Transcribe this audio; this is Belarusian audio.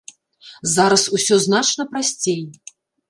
Зараз усё значна прасцей!